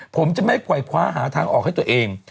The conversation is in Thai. ผมจะไม่ปล่อยคว้าหาทางออกให้ตัวเอง